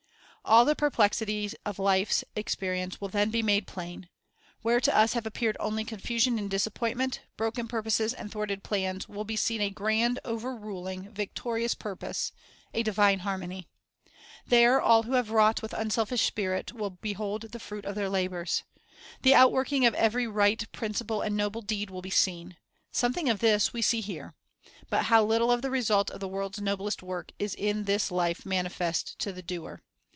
All the perplexities of life's experience will then be Perplexities L l * Made Plum made plain. Where to us have appeared only confu sion and disappointment, broken purposes and thwarted plans, will be seen a grand, overruling, victorious pur pose, a divine harmony. There all who have wrought with unselfish spirit will behold the fruit of their labors. The outworking of every right principle and noble deed will be seen. Something of this we see here. But how little of the result of the world's noblest work is in this life manifest to the doer!